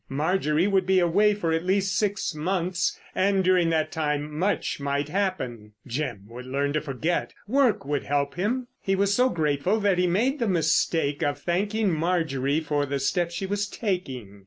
Marjorie would be away for at least six months, and during that time much might happen. Jim would learn to forget; work would help him. He was so grateful that he made the mistake of thanking Marjorie for the step she was taking.